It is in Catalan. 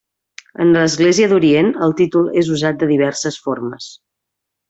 En l'Església d'Orient el títol és usat de diverses formes.